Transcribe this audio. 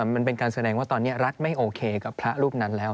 มันเป็นการแสดงว่าตอนนี้รัฐไม่โอเคกับพระรูปนั้นแล้ว